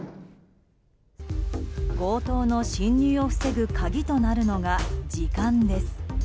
強盗の侵入を防ぐ鍵となるのが時間です。